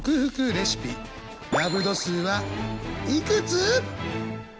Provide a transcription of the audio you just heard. レシピラブ度数はいくつ！？